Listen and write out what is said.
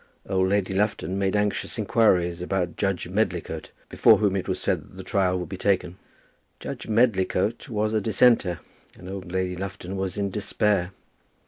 Old Lady Lufton made anxious inquiries about Judge Medlicote, before whom it was said that the trial would be taken. Judge Medlicote was a Dissenter, and old Lady Lufton was in despair.